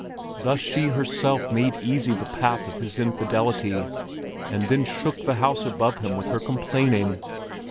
Thus she herself made easy the path of his infidelity, and then shook the house above him with her complaining.